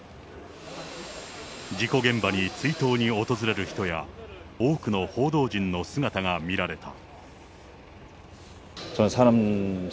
事故現場に追悼に訪れる人や、多くの報道陣の姿が見られた。